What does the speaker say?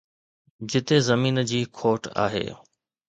جتي زمين جي کوٽ آهي.